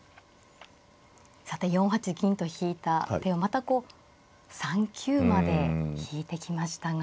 さて４八銀と引いた手をまたこう３九まで引いてきましたが。